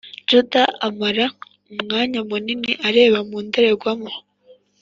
judy amara umwanya munini areba mu ndorerwamo.